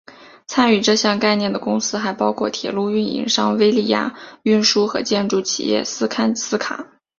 参与这项概念的公司还包括铁路运营商威立雅运输和建筑企业斯堪斯卡。